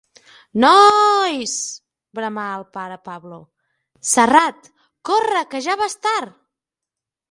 Nooois! —bramà el pare Pablo— Serrat, corre que ja vas tard!